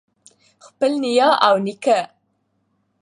خپل نیا او نیکه